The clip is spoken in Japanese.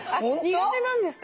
苦手なんですか？